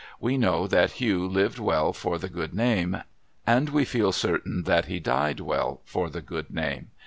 We know that Hugh lived well for the good name, and we feel certain that he died well for the good name.